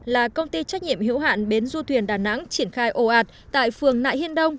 là công ty trách nhiệm hữu hạn bến du thuyền đà nẵng triển khai ồ ạt tại phường nại hiên đông